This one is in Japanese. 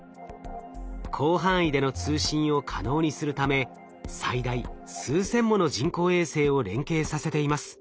広範囲での通信を可能にするため最大数千もの人工衛星を連携させています。